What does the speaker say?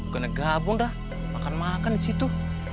kena gabung dah makan makan disitu